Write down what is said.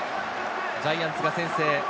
ジャイアンツが先制。